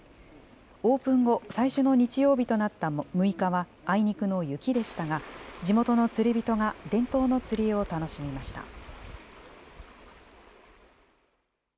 オープン後、最初の日曜日となった６日はあいにくの雪でしたが、地元の釣り人が、伝統の釣りを楽しみました。